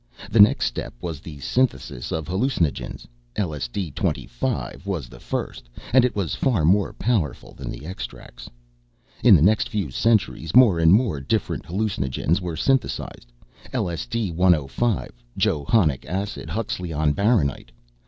The next step was the synthesis of hallucinogens L.S.D. 25 was the first, and it was far more powerful than the extracts. In the next few centuries, more and more different hallucinogens were synthesized L.S.D. 105, Johannic acid, huxleyon, baronite.